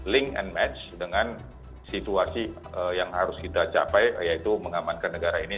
link and match dengan situasi yang harus kita capai yaitu mengamankan negara ini